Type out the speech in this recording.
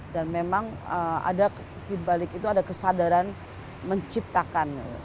dan memang di balik itu ada kesadaran menciptakan